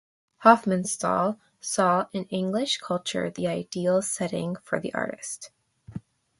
Hofmannsthal saw in English culture the ideal setting for the artist.